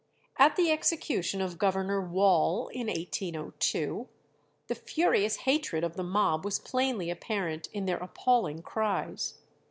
At the execution of Governor Wall, in 1802, the furious hatred of the mob was plainly apparent in their appalling cries.